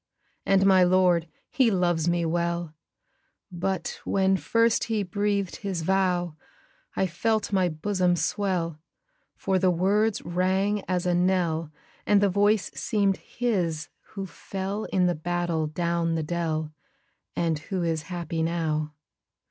And my lord he loves me well; But, when first he breathed his vow, I felt my bosom swell For the words rang as a knell, And the voice seemed his who fell In the battle down the dell, And who is happy now.